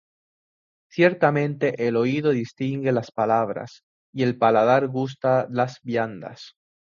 Ciertamente el oído distingue las palabras, Y el paladar gusta las viandas.